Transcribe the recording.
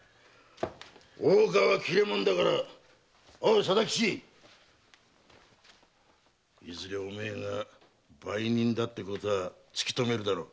大岡は切れ者だからおう貞吉いずれお前が売人だってことは突き止めるだろう。